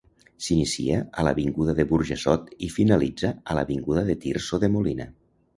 S'inicia a l'avinguda de Burjassot i finalitza a l'avinguda de Tirso de Molina.